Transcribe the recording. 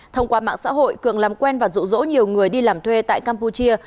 thông qua mạng xã hội cường làm quen và rụ rỗ nhiều người đi làm thuê tại campuchia